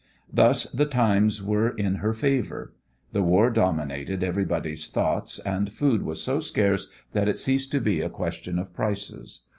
Thus the times were in her favour. The war dominated everybody's thoughts, and food was so scarce that it ceased to be a question of prices.